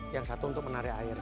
yang satu untuk menarik air